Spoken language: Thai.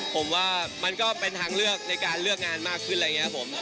ผมว่ามันก็เป็นทางเลือกในการเลือกงานมากขึ้นอะไรอย่างนี้ครับผม